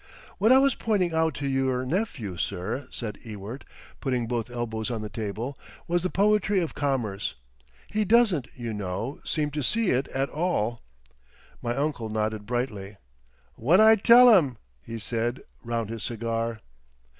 "What I was pointing out to your nephew, sir," said Ewart, putting both elbows on the table, "was the poetry of commerce. He doesn't, you know, seem to see it at all." My uncle nodded brightly. "Whad I tell 'im," he said round his cigar.